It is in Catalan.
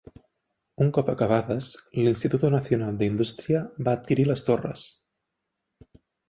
Un cop acabades, l'Instituto Nacional de Industria va adquirir les torres.